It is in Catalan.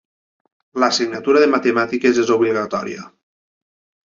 L'assignatura de matemàtiques és obligatòria.